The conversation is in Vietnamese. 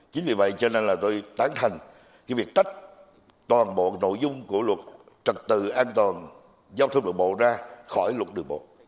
chính vì vậy cho nên là tôi tán thành việc tách toàn bộ nội dung của luật trật tự an toàn giao thông đường bộ ra khỏi luật đường bộ